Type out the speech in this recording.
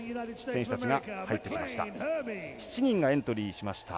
選手たちが入ってきました。